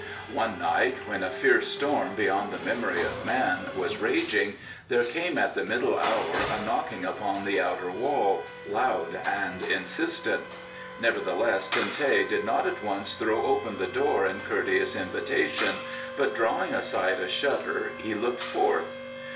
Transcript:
One night, when a fierce storm beyond the memory of man was raging, there came at the middle hour a knocking upon the outer wall, loud and insistent; nevertheless Ten teh did not at once throw open the door in courteous invitation, but drawing aside a shutter he looked forth.